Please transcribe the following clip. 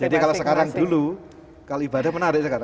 jadi kalau sekarang dulu kalau ibadah menarik sekali